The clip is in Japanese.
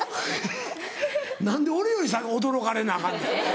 何で俺より驚かれなアカンねん。